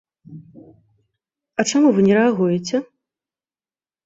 А чаму вы не рэагуеце?